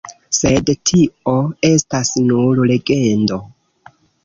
Sed tio estas nur legendo.